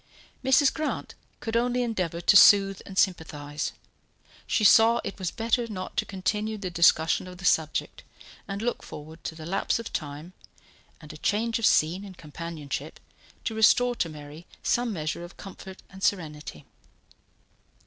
Mrs. Grant could only endeavour to soothe and sympathize. She saw it was better not to continue the discussion of the subject, and looked forward to the lapse of time, and a change of scene and companionship, to restore to Mary some measure of comfort and serenity.